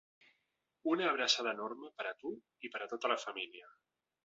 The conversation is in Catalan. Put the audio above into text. Una abraçada enorme per a tu i per a tota la família.